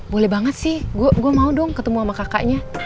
boleh banget sih gue mau dong ketemu sama kakaknya